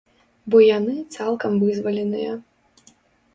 Бо яны цалкам вызваленыя.